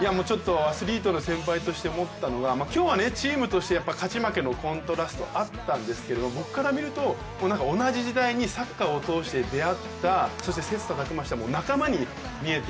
アスリートの先輩として思ったのが今日はチームとして勝ち負けのコントラストあったんですけど僕から見ると同じ時代にサッカーを通して出会った、そして切磋琢磨した仲間に見えて